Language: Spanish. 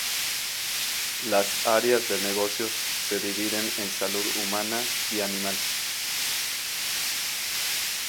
Las áreas de negocios se dividen en salud humana y animal.